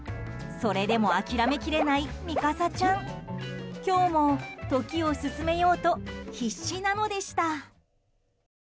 それでも諦めきれないミカサちゃん。今日も時を進めようと必死なのでした。